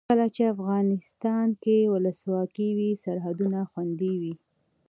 کله چې افغانستان کې ولسواکي وي سرحدونه خوندي وي.